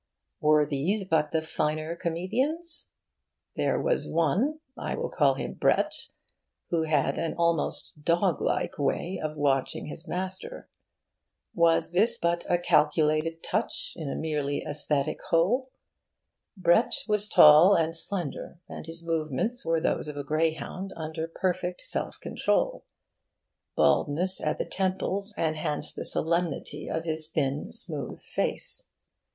Were these but the finer comedians? There was one (I will call him Brett) who had an almost dog like way of watching his master. Was this but a calculated touch in a merely aesthetic whole? Brett was tall and slender, and his movements were those of a greyhound under perfect self control. Baldness at the temples enhanced the solemnity of his thin smooth face.